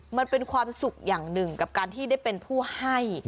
มันเป็นความสุขอย่างหนึ่งกับการที่ได้เป็นผู้ให้